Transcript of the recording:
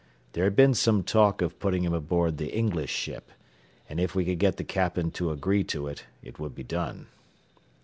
There had been some talk of putting him aboard the English ship, and if we could get the captain to agree to it, it would be done.